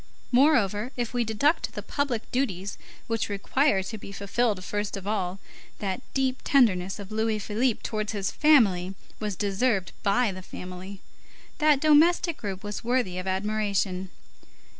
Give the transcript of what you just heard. Moreover, if we deduct the public duties which require to be fulfilled first of all, that deep tenderness of Louis Philippe towards his family was deserved by the family. That domestic group was worthy of admiration.